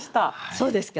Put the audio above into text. そうですか？